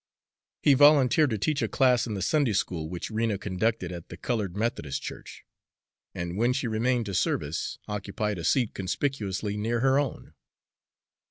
He volunteered to teach a class in the Sunday school which Rena conducted at the colored Methodist church, and when she remained to service, occupied a seat conspicuously near her own.